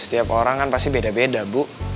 setiap orang kan pasti beda beda bu